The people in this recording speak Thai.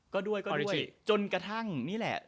ก็ด้วยจนกระทั่งนี่แหละ